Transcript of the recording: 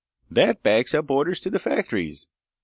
That backs up orders to the factories.